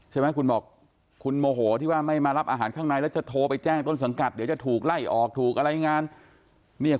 ใช่ไหมคุณบอกคุณโมโหที่ว่าไม่มารับอาหารข้างในแล้วจะโทรไปแจ้งต้นสังกัดเดี๋ยวจะถูกไล่ออกถูกอะไรงานเนี่ย